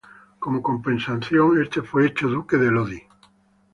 Como compensación, este fue hecho Duque de Lodi.